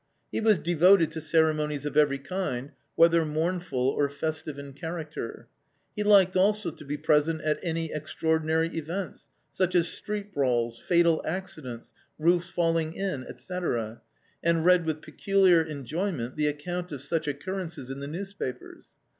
He was devoted to ceremonies of every kind, whether mournful or festive in character; he liked also to be present at any extraordinary events, such as street brawls, fatal accidents, roofs falling in, &c, and read with peculiar enjoy ment the account of such occurrences in the newspapers.